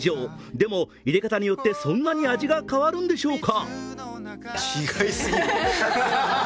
でも、いれ方によってそんなに味が変わるんでしょうか？